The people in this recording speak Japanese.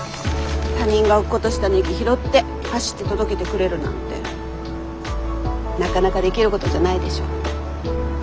他人が落っことしたネギ拾って走って届けてくれるなんてなかなかできることじゃないでしょう。